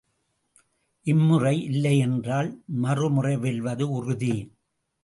இம்முறை இல்லையென்றால் மறுமுறை வெல்வது உறுதி.